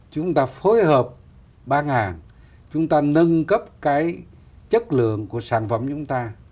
chúng ta phối hợp ban hàng chúng ta nâng cấp cái chất lượng của sản phẩm chúng ta